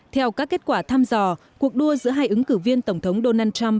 theo các kết quả thăm dò cuộc đua giữa hai ứng cử viên tổng thống donald trump